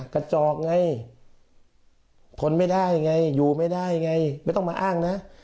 กระจอกไงทนไม่ได้ไงอยู่ไม่ได้ไงไม่ต้องมาอ้างนะ